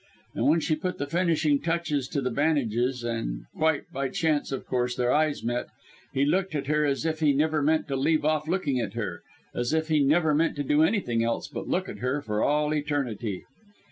And when she put the finishing touches to the bandages, and quite by chance, of course, their eyes met, he looked at her as if he never meant to leave off looking at her, as if he never meant to do anything else but look at her for all eternity.